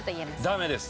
ダメです。